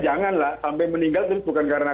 jangan lah sampai meninggal itu bukan karena